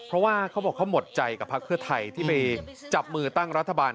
เพราะว่าเขาบอกเขาหมดใจกับพักเพื่อไทยที่ไปจับมือตั้งรัฐบาล